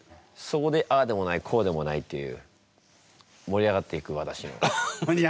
そこでああでもないこうでもないという盛り上がっていく？